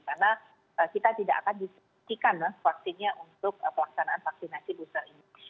karena kita tidak akan disesuaikan vaksinnya untuk pelaksanaan vaksinasi booster ini